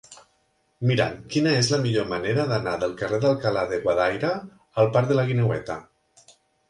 Mira'm quina és la millor manera d'anar del carrer d'Alcalá de Guadaira al parc de la Guineueta.